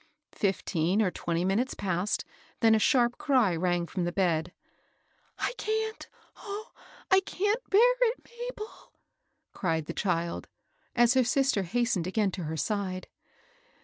Fifteen or twenty minutes passed, then a sharp cry rang from the bed. " I can't, oh 1 I can't bear it, Mabel I " cried the child, as her sister hastened again to her side.